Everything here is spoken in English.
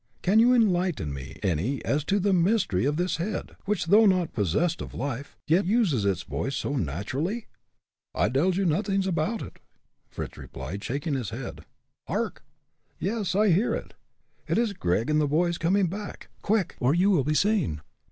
Can you enlighten me any as to the mystery of this head, which, though not possessed of life, yet uses its voice so naturally?" "I dells you noddings apoud it," Fritz replied, shaking his head. "Hark!" "Yes! I hear it. It is Gregg and the boys coming back. Quick! or you will be seen!"